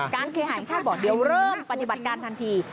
เคหาแห่งชาติบอกเดี๋ยวเริ่มปฏิบัติการทันที